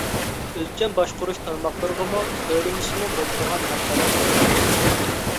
ئۆلچەم باشقۇرۇش تارماقلىرىغىمۇ تۆلىمىسىمۇ بولىدىغان ھەقلەرنى تۆلىدى.